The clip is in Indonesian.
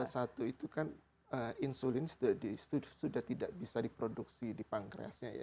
karena dmt p satu itu kan insulin sudah tidak bisa diproduksi di pankreasnya